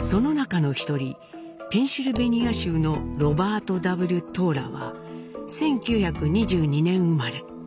その中の一人ペンシルベニア州のロバート・Ｗ・トーラは１９２２年生まれ。